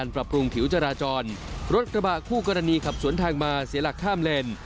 ปรับปรุงผิวจราจรรถกระบะคู่กรณีขับสวนทางมาเสียหลักข้ามเลน